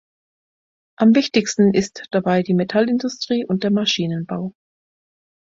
Am wichtigsten ist dabei die Metallindustrie und der Maschinenbau.